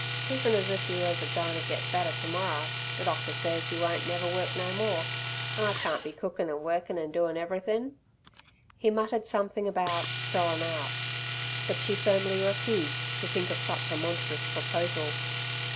"'Tisn't as if yer was agoin' t' get better t'morrer, the doctor says yer won't never work no more, an' I can't be cookin' an' workin' an' doin' everythin'!" He muttered something about "sellin' out", but she firmly refused to think of such a monstrous proposal.